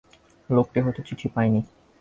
লোকটি হয়তো চিঠি পায় নি।